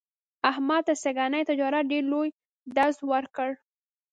احمد ته سږني تجارت ډېر لوی ډز ور کړ.